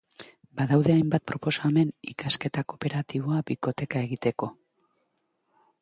Badaude hainbat proposamen ikasketa kooperatiboa bikoteka egiteko.